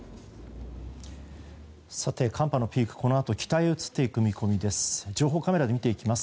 寒波のピーク、このあと北へ移っていく見込みです。